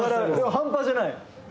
半端じゃない。